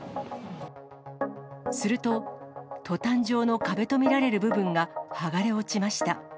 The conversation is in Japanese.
すると、トタン状の壁と見られる部分が、剥がれ落ちました。